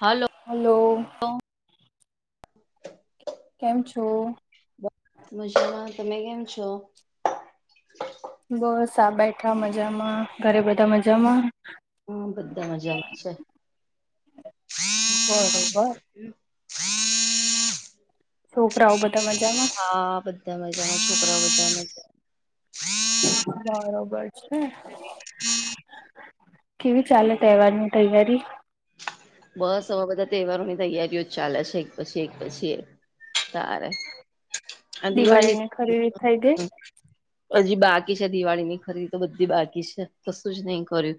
હાલો. Hello કેમ છો? મજુંમાં તમે કેમ છો? બસ આ બેઠા મજામાં ઘરે બધા મજામાં? હા બધા મજામાં છે. બરોબર છોકરાઓ બધા મજામાં? હા બધા મજા છોકરા બધા મજા. બરોબર છે. [inaudible] કેવી ચાલે તહેવારની તૈયારી? બસ આવા બધા તહેવારોની તૈયારીઓ જ ચાલે છે એક પછી એક પછી એક. સારે દિવાળી દિવાળીની ખરીદી થઈ હજી બાકી છે દિવાળી ની ખરી તો બધી બાકી છે તો શું જ નહી કર્યું.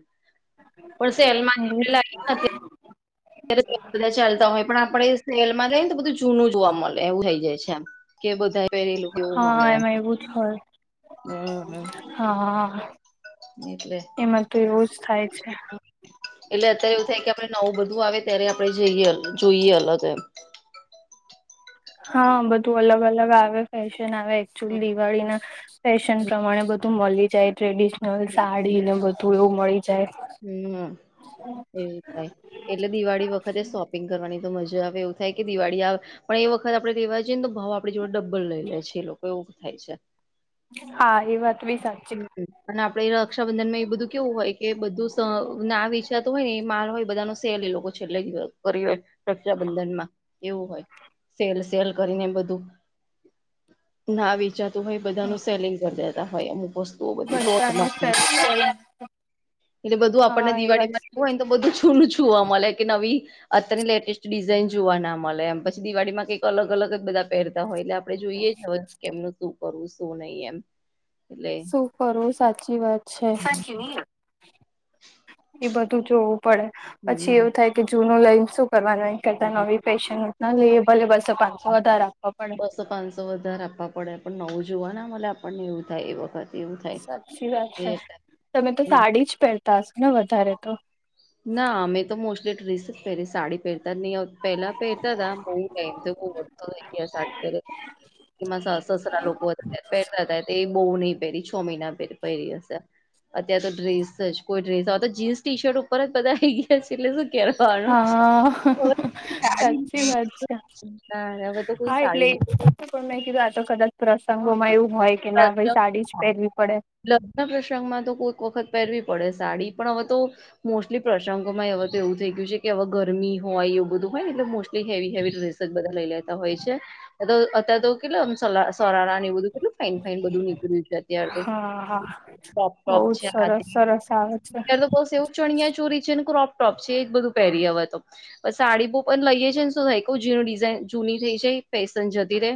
પણ સેલમાની ગઈ આપેલા બધા ચાલતા હોય પણ આપડે સેલમાં લઈ ને તો બધું જૂનું જોવા મળે એવું થઈ જાય છે એમ. કે બધા પહેરેલું એવું મળે હા એમ. એમાં એવું હોય હમ હા. એટલે એમાં તો એવું જ થાય છે એટલે અત્યારે એવું થાય કે આપણે નવું બધું આવે ત્યારે આપણે જઈએ જોઈએ અલગ એમ. હા બધું અલગ અલગ આવે. ફેશન આવે એકચુઅલી દિવાળી ના ફેશન પ્રમાણે બધું મળી જાય. ટ્રેડિશનલ સાડી ને બધું એવું મળી જાય. હમ હા એવું થાય. એટલે દિવાળી વખતે શોપિંગ કરવાની તો મજા આવે એવું થાય કે દિવાળી આવે પણ એ વખત આપણે તેવા તો ભાવ આપડી જોડે ડબ્બલ લઈ લે છે એ લોકો એવું થાય છે. હા એ વાત બી સાચી. અને આપડે રક્ષાબંધનમાં એ બધું કેવું હોય કે બધું ના વેચાતો હોય ને એ માલ હોય બધાનો સલી લોકો છેલ્લે કરી હોય રક્ષાબંધન માં એવું હોય. સેલ સેલ કરીને બધું ના વિચાર તો ભ બધા ન સેલિંગ કરી દેતા હોય અમુક વસ્તુઓ બધી લોટ બધાને માં ફેસ્ટિવલ એટલે બધું આપણને હા એ વાત દિળીમાંવું હોયને તો બધું છૂનુંું છવા મળે કે નવી અત્યારની લેટેસ્ટ ડિઝાઇન જોવા ના મળે એ પી દવાળીમાં કંઈક અલગ અલગ જ બધા પહેરતા હોય એટલે આપણે જોઈએ જ કે એમનું શું કરવું શું નહી એમ. એટલે શું કરું? સાચી વાત છે. એ બધું જોવું પડે પછી હમ એવું થાય કે જૂનું લઈ ને શું કરવાનું એના કરતા નવી ફેશન ન લઈએ ભલે બસો પાંચસો વધારે આપવા પડે. વધાર આપવા પડે પણ નવું જોવા ન મલે આપણને? એવું થાય એ વખત એવું થાય સાચી વાત છે એ તમે તો સાડી જ પહેરતા હશ ને વધારે તો? ના અમે તો મોસ્ટલી ડ્રેસ જ પેરી સાડી પહેરતા નહીં આવતી પેલા પેરતા તા બહુ ટાઈમ થઈ ગયો [unintelligible] સાડી પહેરે મારા સાસ સસરા લોકો હતા ત્યારે પેરતા તા તે. બહુ નહી પહેરી છ મહિના પહેરી હશે. અત્યારે તો ડ્રેસ જ કોઈ ડ્રેસ હવે તો જીન્સ ટી શર્ટ ઉપર જ બધા આઈ ગયા છે એટલે શું. હા સાચી વાત છે [unintelligible] હવે તો કોઈ હા સાડી એટલે નઈ પેરતુ. પણ મેં કીધું આ તો કદાચ પ્રસંગોમાં એવું હોય કે ના ભાઈ સાડી જ પહેરવી પડે. લગ્ન પ્રસંગમાં તો કોઈક વખત પહેરવી પડે સાડી પણ હવે તો. મોસ્ટલી પ્રશંગોમાં હવે તો એવું થઈ ગયું છે કે હવે ગરમી હોય એવું બધું હોય એટલે મોસ્ટલી હેવી હેવી ડ્રેસ બધા લઈ લેતા હોય છે [unintelligible] અતારે તો કેટલું આમ સલા સરાારા ને એ બધું કેટલું ફાાઈન ફાાઈન બધું નીકળ્યું છે અત્યાર તો હા [inaudible] હા છે બહુ જ [unintelligible] સરસ સરસ આવે છે અત્યારે તો બસ એવું. ચણિયા ચોરી છે ને ક્રોપ ટ્રોપ છે એ બધું પહેરી હવે તો. બ સાડી બવ પણ લઈએ છે ને શું થાય કઉ [inaudible] જૂનું ડિઝાઇન જૂની થઈ જાય ફેશન જતી રે.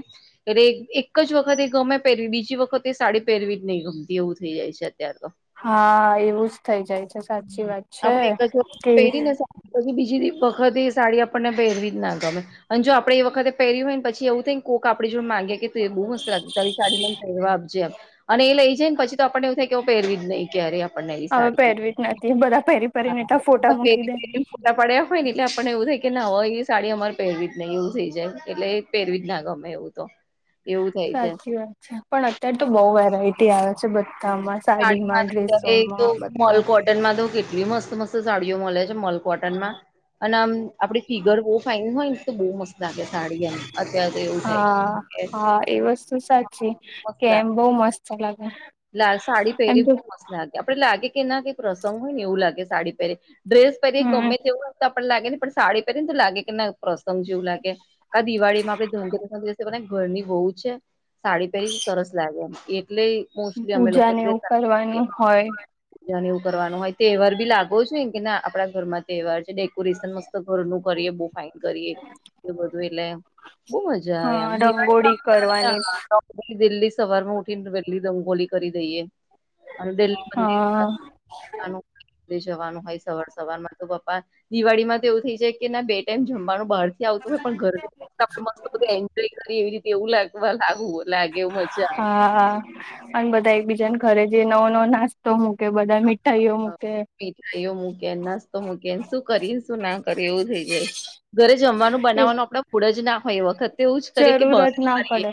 એ એક જ વખત એ ગમે પહેરવી બીજી વખતે એ સાડી પહેરવી જ નહીં ગમતી એવું થઈ જાય છે અત્યારે તો હા એવું જ થઇ જાય છે સાચી વાત છે આપડે એક જ વખત કેવી પેરી ને સાડી પછી બીજી વખત એ સાડી આપણને પેરવી જ ના ગમે. અને જો આપણે એ વખતે પહેર્યું હોયને પછી એવું થાય ને કોક આપ જોડ માંગેએ કે બહુ મસ્ત લાગ તલી સાડી મવા આપજેમ, અને એ લઈ જાય ને પછી આપણને એવું થાય કે પેરવીજહી કહે ર્યા આપ હવે પહેરવી જ નથી બધા પહેરી પહેરીને એટલા ફોટા હા મૂકી પેલી દે. પેરી ફોટા પડ્યા હોય ને એટલે પણ એવું થઈ કે ના હોય એ સાડી અમારે પહેરવી જ નહીં એવું થઈ જાય એટલે પહેરવી જ ના ગમે એવું તો. એવું થઈ જાય સાચી વાત છે પણ અત્યારે તો બઉ વેરાયટી આવે છે બધામાં. સાડીમાં સાડીમાંધ તો ડ્રેસોમાં મોલ બધા કોટનમાંધ કેટલી મસ્ત મસ્ત સાડીઓ મળલ કોટ, અને આપ ફિગર બ ફન હોયને તો બ મસ્ત લાગે સાડી એમ અત્યારે તો એવું થાય છે હા કે હા એ વસ્તુ હા, સાચી, મસ્ત લાગે કેમ બહ મસ્ત ચલા [unintelligible] સાડી પહેરી બહ મસ્ત લાગે આપડે લાગે કે ના કઈક પ્રસંગ હોય ને એવું લાગે સાડી પહેરી, ડ્રેસ પહેરી ગમે હમ તેવું તો આપણ લાગે નેં પણ સાડી પહેરીને તો લાગે કે ના પ્રસંગ જેવું લાગે. આ દિવાળીમાં આપણે ધનધરસિવ ઘરની બહુ છે, સાડી પહેરી સરસ લાગે એમ એટલે મોસ્ટલી અમે પૂજા લોકો ને એવું કરવાનું હોય ન એવું કરવાનું હોય તહેવાર બી લાગો છો કે ના આપડા ઘરમાં તહેવાર છે. ડેકોરેશન મસ્ત ઘરનું કરીએ બહુ ફાઈન કરીએ એ બધું એટલે બહુ મજા આવે આમ હા રંગોળી કરવાની દિવાળી છી દિલ્હી સવારમાં ઉઠી ને વેલી દંગોલી કરી દઈએ, અને દિલ્હી મંદિર હા લ જવાનું હોય સવાર સવાર માં તો પપ્પા, દિવાળી માં તો એવું થઈ જાય કે ના જમવાનું બહાર થી આવતું હોય પણ ઘર આપણે મસ્ત એન્જોય કરીવી રી એવું લાગવા લાગુ લાગે એ મજા હા, અને બધા એકબીજાને ઘરે જઈ નવો નવો નાસ્તો મૂકે બધા મીઠાઈઓ મુ આવે. મીઠાઈઓ મૂકી નાસ્તો મૂકીને શું કરીએ શું ના કરી એવું થઇ જાય. ઘરે જમવાનું એ બનાવવાનું આપણા ફૂડ જ ના હોય એ વખતે એવું જ કરીએ કે બહાર જરૂરત ના જએ પડે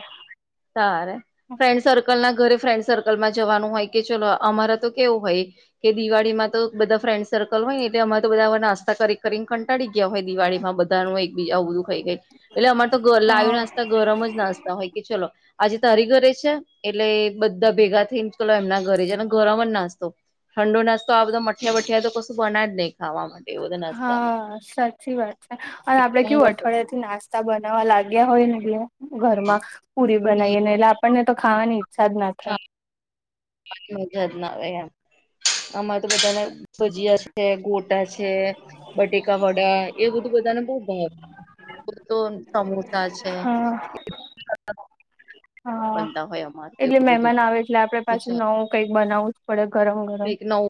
સારે ફ્રેન્ડ સર્કલ ના ઘરે ફ્રેન્ડ સર્કલમાં જવાનું હોય કે ચલો અમારે તો કેવું હોય કે દિવાળીમાં તો બધા ફ્રેન્ડ સર્કલ હોય ને એટલે અમા તો બધા નાસ્તા કરી કરીને કંટાી ગયા હોય દિવાળીમાં બધ એક બીજા આવ બધું ખાઈ ગાય એટલે અમાર તો લાવ હા નાસ્તા ગરમ જ નાસ્તા હોય કે ચલો આજે તારી ઘરે છે. એટલે બધા ભેગા થઈને ચલો એમના ઘરે છે ઘરમાં નાસ્તો ઠંડો નાસ્તો આ બધો મઠીિયા વઠીિયા તો કશું બના જ નહીં ખાવા માટે એ બધા નાસ્તામાં હા સાચી વાત છે. અને આપડે કેવું અઠવાડિયાથી નાસ્તા રસ્તા બનાવવા લાગ્યા હોય ને એટલે ઘરમાં પુરી બનાવીએ ને એટલે આપણને તો ખાવાની ઈછનાથ મજા જ ના આવે એમ આ તો બધાને ભજીયા છે ગોટા છે. બટેકા વડા એ બધું બધાને બહુ ભા તો સમોસા છે હા હા બનતા હોય એમ એટલે મહેમાન આવે એટલે આપણે પાછું નવું કંઈક બનાવું જ પડે ગરમ ગરમ કંકનવુ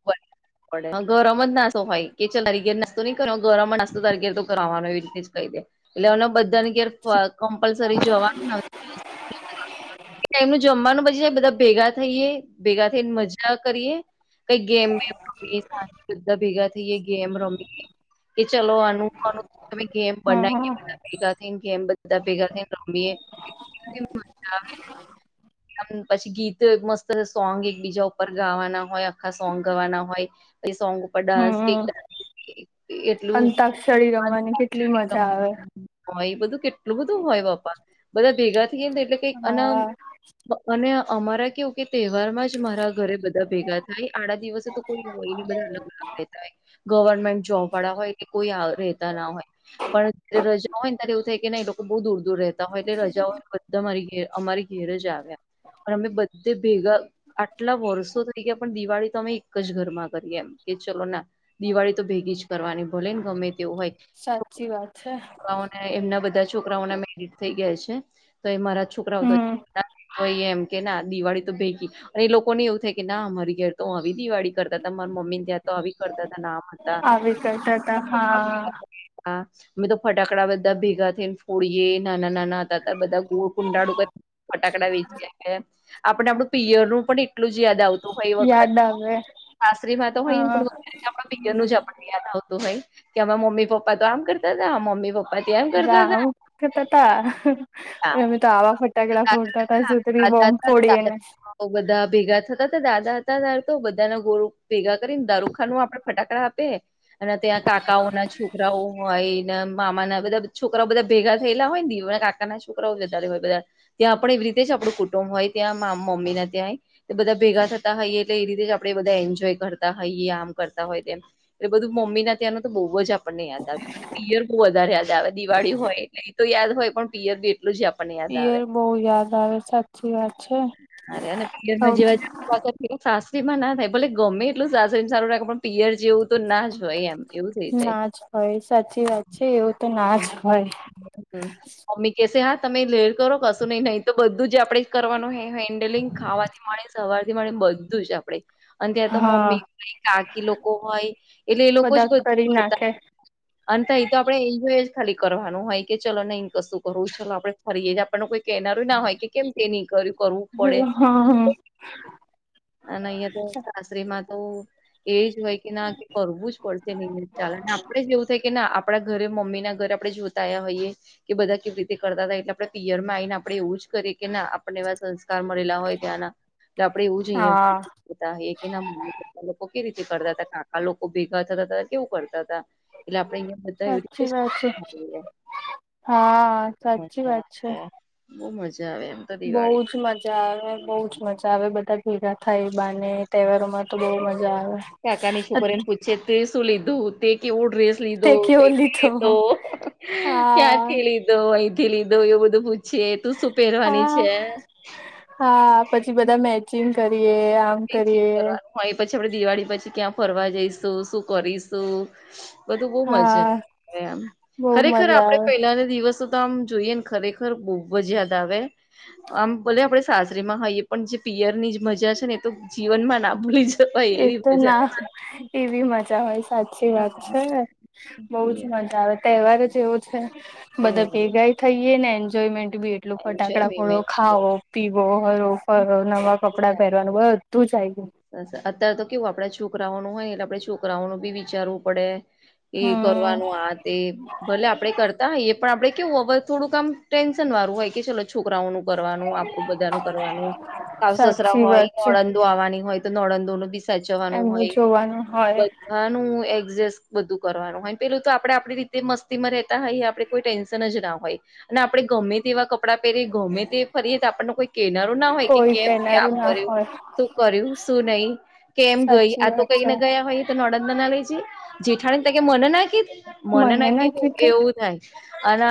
બને ગરમ જ નાસ્તો હોય ચલ ન કર ગરમ નાસ્તો તરીકે તો કરવાવાનું એવી રીતે જ કહી દે એટલેને બધા એનીઘેર કમ્પલસરી જોવાનું ન એમનીનું જમવાનું બચી જાય, બધા ભેગા થઈએ ભેગા થઈને મજા કરીએ‌. કઈ ગેમ મે રમીએ? બધા ભેગા થઈ એ ગેમ રમી કે ચલો આનું આ ગેમ હા બનાઈ. હા ભેગા થઈએ કે એમ બધા ભેગા થઈને રમીએ, મજા આવેને! પછી ગીત મસ્ત સોંગ. એકબીજા ઉપર ગાવાના હોય, આખા સોંગ ગાવાના હોય. પછી સોંગ ડાન્સ કે હમ એટલું અંતાક્ષરી રમવાની કેટલી મજા આવે હોય, એ બધું કેટલું બધું હોય! બાપા બધા ભેગા થી કેમ એટલે કંઈકઅને હા અને અમારા કેવું કે તહેવાર માં જ મારા ઘરે બધા ભેગા થાય. આડા દિવસે તો કોઈ હોય નહીં, બધા અલગ થા. [unintelligible] ગવર્મેન્ટ જોબ વાળા હોય, એ કોઈ રહેતા ના હોય. પણ જયારે રજા હોય, ત્યારે એવું થાય કે ન બહુ દૂર-દૂર રહેતા હોય, એટલે રજાઓય બધા મારી ઘેર અમારી આવે, અમે બધે ભેગા, આટલા વર્ષો થઈ ગયા. પણ દિવાળી તમે એક જ ઘરમાં કરી એમ કે, ચલો ના દિવાળી તો ભેગી જ કરવાની, ભલે ને ગમે તેવું હોય. સાચી વાત છે. છોકરાઓને એમના બધા છોકરાઓના મેરેજ થઈ ગયા છે, તો એ મારા છોકરાઓ તો હમ કોઈ એમ કે ના દિવાળી તો ભેગી અને લોકોને એવું થાય કે, ના, અમારી ઘેર તો હ આવી દિવાળી કરતા હતા, મારા મમ્મી ત્યાં તો આવી કરતા હતા. આવી કરતા હતા. હા. હા, અમે તો ફટાકડા બધા ભેગા થઈને ફોડીયએ નાના-નાના હતા બધા ગોળ કુંડાળું ફટાકડા વેચયા. આપણે આપણું પિયરનું પણ એટલું જ યાદ આવતું. હોય, વખત યાદ આવે સાસરીમાં તો હા હોય. પિયર નું જ આપણને યાદ આવતું હતું કે, મારા મમ્મી-પપ્પા તો આમ કરતા હતા, હ, મમ્મી-પપ્પા આવુકરતા હતા હા, અમે તો આવા ફ ફટાકડા ફોડતા હતા અને સુગડી દાદા બોમ્બ હતા તો ફોડતા દાદા હતા. બધા ભેગા થતા હતા. દાદા હતા દારુ તો બધા ના ગોરુ ભેગા કરીને દારૂખા નું આપડે ફટાકડા આપે. અને ત્યાં કાકાઓ ના છોકરાઓ હોય ને, મામાના બધા છોકરાઓ બધા ભેગા થયેલા હોય ને. ના, છોકરાઓ જતા હોય ત્યાં પણ એવી રીતે જ આપણ કુટુંબ હોય, ત્યાં મમ્મીને ત્યાં તે બધા ભેગા થતા હોઈએ એટલે એ રીતે જ આપણેે બધા એન્જોય કરતા હોઈએ, આમ કરતા હોય તેમ. એટલે બધું મમ્મી ત્યાંનો તો બહુ જ આપણને યાદ આવે. પિયર બહુ વધારે યાદ આવે. દિવાળી હોય એટલે એ તો યાદ હોય, પણ પિયર બી એટલું જ આપણને યાદ આવે. બહુ યાદ આવે, સા યાદ છે. અરે, અને પિયર માં સૌથી તો સાસરીમાં ના થાય. ભલે ગમે એટલું સાસરીને સારું રાખે, પણ પિયર જેવું તો ના જ હોય એમ. એવું થઈ જાય. ના જ હોય, સાચી વાત છે. એવું તો ના જ હોય. હમ, મમ્મી કેશે હા, તમે લેર કરો, કશું નહીં. નહીં તો બધું જ આપડે કરવાનું હેન્ડલિંગ, ખાવાથી પીવાનુ સવારથી મળી બધું જ આપણે અને ત્યાં તો હા મમ્મી હોય, કાકી લોકો હોય, એટલે એ લોકો બધા જ કરી બધું કરતા. નાખે અ તો એ તો આપડે એન્જોય જ ખાલી કરવાનું હોય કે, ચાલો, નહી કશું કરવું ચાલો આપડે ફરીએ, આપણને કોઈ કહેનાર ના હોય કે, કેમ તે નહીં કર્યું? કરવું પડે. [unintelligible] અને અહિયાં તો સાસરીમાં તો એ જ હોય કે, ના, કે કરવું જ પડશે, નહીં તો ચલે. આપણેે જ એવું થાય કે, ના, આપડા ઘરે, મમ્મી ના ઘરે આપણે જો. હોઈએ કે બધા કેવી રીતે કરતા હતા, એટલે આપણે પીયરમાં આવી આપ આપણેે એવું જ કરીએ કે, ના, આપણને એવા સંસ્કાર મળેલા હોય, ત્યાંના આપડે એવું જ અહીં હા એ કે, ના, મમ્મી પપ્પા લોકો કેવી રીતે કરતા હતા, કાકા લોકો ભેગા થતા હતા, કેવું કરતા હતા. એટલે આપડે અહિયાંયા બધ એવી સાચી વાત છે રીતે હા સાચી મજા વાત છે આવે બહુ મજા આવે એમ તો બહુ દિવાળી જ મજા આવે બહુ જ મજા આવે બધા ભેગા થાય બાને તહેવારોમાં તો બહુ મજા આવે કાકાની છોકરીને પૂછે તે શું લીધું તે કેવું ડ્રેસ તે લીધો કેવો કથી લીધો હા ક્યાંથી લીધો લ અહીંથી લીધો એવું બધું પૂછીએ તું શું પહેરવાની હા છે હા પછી બધા મેચિંગ કરીએ આમ એ કરીએ કરવાનું હ એ પછી આપડે દિવાળી પછી ક્યાં ફરવા જઈશું શું કરીશું બધું બહ મજા હા એમ બહુ ખરેખર મજા આપડે આવે પેલાને દિવસ તો આમ જોઈએ ને ખરેખર બહબ જ યાદ આવે આમ ભો આપડે સાજરી માં હોઈએ પણ જે પિયરની જ મજા છે ને એ તો જીવનમાં ના ભૂલી જ એ તો ના એવી મજા હોય સાચી વાત છે બઉુ જ મજા આવે તહેવાર જેવો છે બધા ભેગા થઈએ ને એન્જોયમેન્ટ બી એટલું સારું છે ફટાકડા એમ ફોડો ઈમેજ. ખાવો પીવો હરો ફરો નવા કપડાં પહેર નું બ તું ચા ગયું બ અત્યારે તો કેવું આપડે છોકરાઓ નનું હોય એટલે આપે છોકરાઓનું બી વિચારવું પડે એ હમ કરવાનું આ તે ભલે આપડે કરતા એ પણ આપડે કેવું હવે થોડુંકામ ટટેન્શન વારું હોય કે ચલો છોકરાઓ નું કરવાનું આપણું બધા નું કરવાનું સાફ સસરા સાચી વાત છે હોય નળદ ધોવાની હોય તો નળંદો ન બી સાચવાનું એમનું હોય જોવાનું હોય આનું એડજસ્ટ બધું કરવાનું હોય પેલું તો આપડે આપડી રીતે મસ્તી માં રેતા હોય આપડ કો ટેન્શન જ ના હોય અને આપડે ગમે તેવા કપ ડા પહેરી ગમે તે ફરીએ તો આપણને કોઈ કેનારું ના હોય કે કોઈ કેમ કે આમ કેનારું ના કર્યું હોય તું કર્યું શું નહી કેમ ગઈ સાચી આ તો વાત કઈ છે ના ગયા હોય તો નોડંદ ના લેજે જેઠાણી તકે મને નાખી મને નાખી ના કીધું એવું થાય અને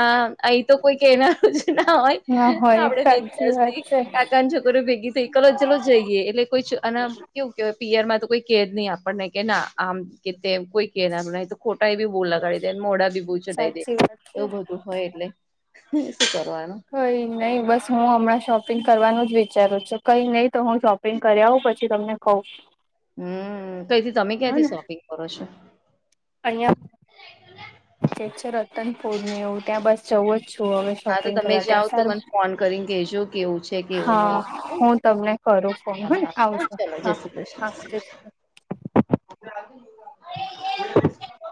અહી તો કોઈ કેનાર જ ના હોય ના તો હોય આપણેે સાચી વાત બિન્દાસથી છે કાકાની છોકરીઓ ભેગી થઈ કલો ચલો જઈએ એટલે કોઈ છ અને આમ કેવું કેવાય પીયરમાં તો કોઈ કેજ નહી આપણને કે ના આમ કે તેમ કોઈ કેનારું નહીં તો ખોટા એ બી બહુ લગાડી દે મોઢડા બી બહુ ચઢાવ દે સાચી વાત છે. એવું બધું હોય એટલે શું કરવાનું કોઈ નહી બસ હું હમણાં શોપિંગ કરવાનું જ વિચારું છું કઈ નહી તો હું શોપિંગ કરી આવ પછી તમને કઉ હમ કઈથી તમે ક્યાંથી શોપિંગ કરો છો અં જે છે રતનપોરનેું ત્યાં બસ જવું જ છું હવે હા તો શોપિંગ તમે કરવા જાઓ ત્યાં તો સારું મને ફોન કરીને કેજો કેવું છે કેવું હા નહી હું તમને કરું ફોન હ હા ને હા આવજો ચલો જય હા શ્રી કૃષ્ણ હા જય શ્રી કૃષ્ણ [unintelligible]